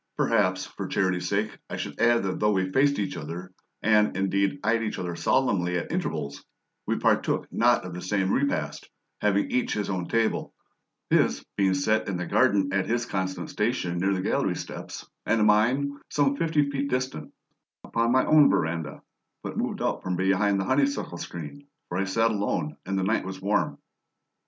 Perhaps, for charity's sake, I should add that though we faced each other, and, indeed, eyed each other solemnly at intervals, we partook not of the same repast, having each his own table; his being set in the garden at his constant station near the gallery steps, and mine, some fifty feet distant, upon my own veranda, but moved out from behind the honeysuckle screen, for I sat alone and the night was warm.